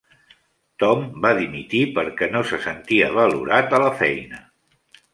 Tom va dimitir perquè no se sentia valorat a la feina.